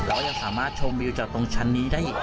ก็ยังสามารถชมวิวจากตรงชั้นนี้ได้อีก